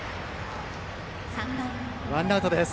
ワンアウトです。